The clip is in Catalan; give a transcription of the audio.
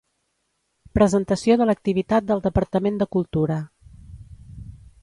Presentació de l'activitat del Departament de Cultura.